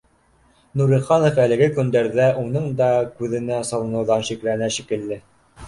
Нуриханов әлеге көндәрҙә уның да күҙенә салыныуҙан шикләнә шикелле